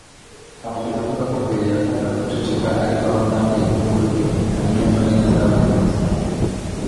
Akomeza avuga ko mbere yakundaga guceceka ariko aho atangiriye kuvuga ibye hari impinduka nini zabaye mu buzima bwe